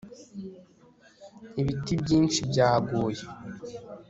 ibiti byinshi byaguye